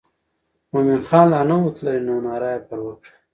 مومن خان لا نه و تللی نو ناره یې پر وکړه.